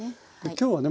今日はね